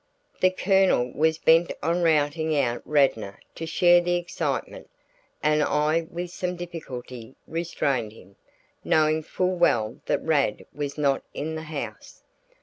The Colonel was bent on routing out Radnor to share the excitement and I with some difficulty restrained him, knowing full well that Rad was not in the house.